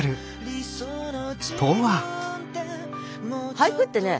俳句ってね